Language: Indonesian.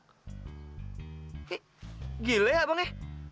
oke gila ya bang ya